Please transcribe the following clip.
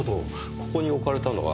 ここに置かれたのは中村さん